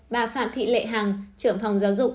bà phạm thị lệ hằng trưởng phòng giáo dục